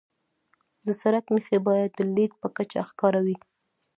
د سړک نښې باید د لید په کچه ښکاره وي.